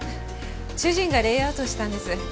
主人がレイアウトしたんです。